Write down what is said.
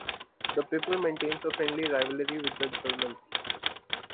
The paper maintains a friendly rivalry with the "Journal".